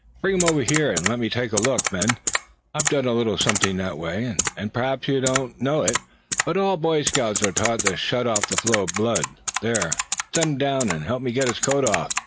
"Bring him over here, and let me take a look, men. I've done a little something that way. And perhaps you don't know it; but all Boy Scouts are taught how to shut off the flow of blood. There, set him down, and help me get his coat off.